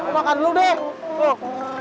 makan dulu deh